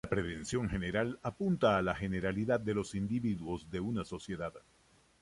La prevención general apunta a la generalidad de los individuos de una sociedad.